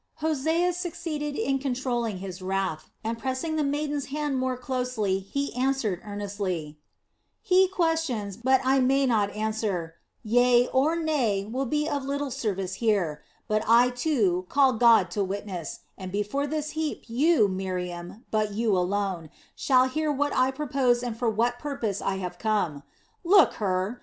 Hosea succeeded in controlling his wrath, and pressing the maiden's hand more closely, he answered earnestly: "He questions, but I may not answer; 'yea' or 'nay' will be of little service here; but I, too, call God to witness, and before this heap you, Miriam, but you alone, shall hear what I propose and for what purpose I have come. Look, Hur!